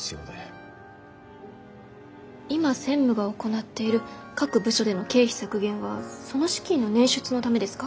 今専務が行っている各部署での経費削減はその資金の捻出のためですか？